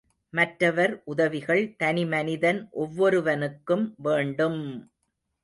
மற்றவர் உதவிகள் தனிமனிதன் ஒவ்வொருவனுக்கும் வேண்டும்!